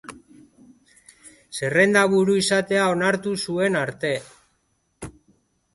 Zerrendaburu izatea onartu zuen arte.